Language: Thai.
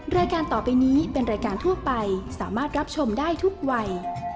รายการต่อไปนี้เป็นรายการทั่วไปสามารถรับชมได้ทุกวัย